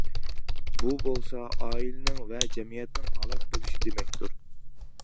بۇ بولسا ئائىلىنىڭ ۋە جەمئىيەتنىڭ ھالاك بولۇشى دېمەكتۇر.